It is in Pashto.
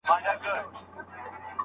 تاوانونه مې د بریا زینې وګرځولې.